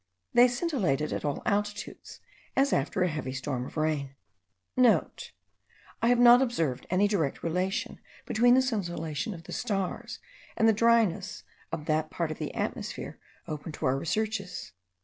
They scintillated at all altitudes, as after a heavy storm of rain.* (* I have not observed any direct relation between the scintillation of the stars and the dryness of that part of the atmosphere open to our researches.